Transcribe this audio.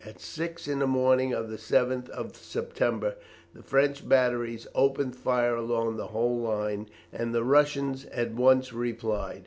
At six in the morning of the 7th of September the French batteries opened fire along the whole line, and the Russians at once replied.